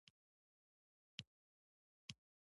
ښه اورېدونکی ښه سلاکار وي